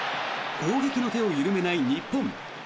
攻撃の手を緩めない日本。